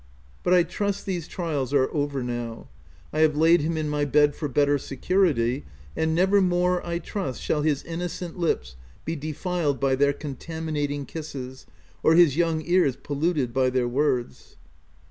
But I trust these trials are over now : I have laid him in my bed for better security, and never more, I trust, shall his innocent lips be defiled by their contaminating kisses, or his young ears poluted by their words.